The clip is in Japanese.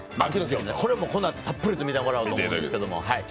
これもこのあと、たっぷりと見どころがあると思うんですけど。